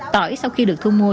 tỏi sau khi được thu mua